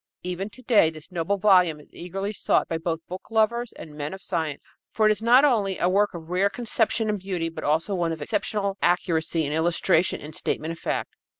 Even to day this noble volume is eagerly sought by both book lovers and men of science, for it is not only a work of rare conception and beauty but also one of exceptional accuracy in illustration and statement of fact.